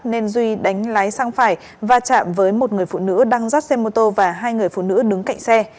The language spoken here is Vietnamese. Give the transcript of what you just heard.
nên duy đánh lái sang phải và chạm với một người phụ nữ đang dắt xe mô tô và hai người phụ nữ đứng cạnh xe